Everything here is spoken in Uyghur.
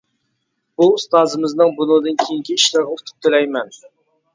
بۇ ئۇستازىمىزنىڭ بۇندىن كېيىنكى ئىشلىرىغا ئۇتۇق تىلەيمەن.